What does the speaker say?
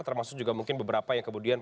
termasuk juga mungkin beberapa yang kemudian